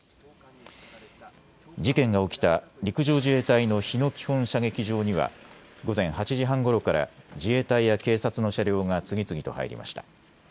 事件が起きた陸上自衛隊の日野基本射撃場には午前８時半ごろから自衛隊や警察の車両が次々と入りました。